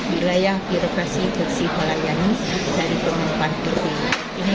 wilayah kirekasi bersih pelayanan dari pemerintah